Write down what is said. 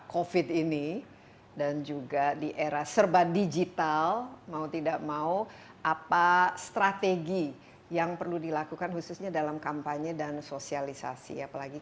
kepada yang ditemui sekarang di bawahnya eliancara ekonomi dan pendidikan indonesia di indonesia